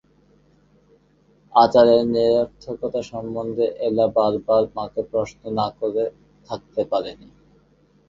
আচারের নিরর্থকতা সম্বন্ধে এলা বারবার মাকে প্রশ্ন না করে থাকতে পারে নি।